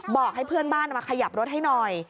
บอกให้เพื่อนบ้านมาขยับรถให้หน่อย